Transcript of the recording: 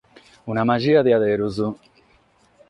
Una maghia a beru.